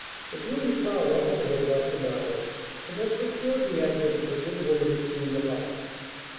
For Julia Cloud also had not been idle, and had procured the address of a good woman to clean the house.